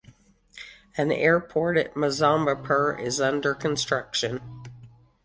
An airport at Muzaffarpur is under construction.